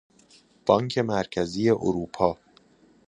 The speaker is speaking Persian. بانک مرکزی اروپا